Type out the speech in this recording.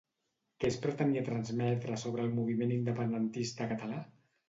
Què es pretenia transmetre sobre el moviment independentista català?